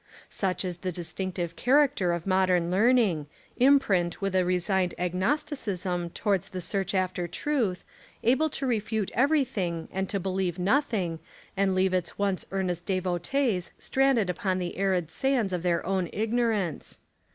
Such is the distinctive character of modern learning, imprint with a resigned agnosticism towards the search after truth, able to refute everything and to believe nothing, and leav ing its once earnest devotees stranded upon the arid sands of their own ignorance.